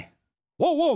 ワンワン！